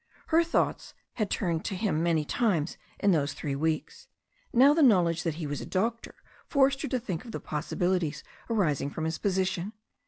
Her thoughts had turned to him many times in those three weeks. Now the knowledge that he was a doctor forced her to think of the possibilities arising from his position.